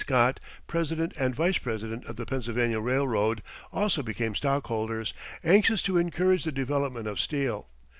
Scott, president and vice president of the Pennsylvania Railroad, also became stockholders, anxious to encourage the development of steel.